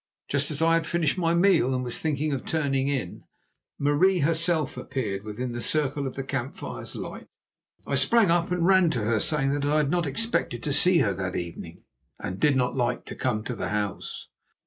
Just as I had finished my meal and was thinking of turning in, Marie herself appeared within the circle of the camp fire's light. I sprang up and ran to her, saying that I had not expected to see her that evening, and did not like to come to the house.